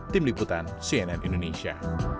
tim liputan cnn indonesia